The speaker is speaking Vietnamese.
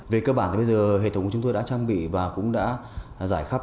về cơ bản thì bây giờ hệ thống của chúng tôi đã trang bị và cũng đã giải khắp